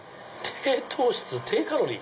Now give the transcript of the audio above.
低糖質低カロリー！